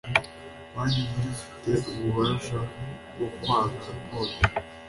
Banki Nkuru ifite ububasha bwo kwanga raporo.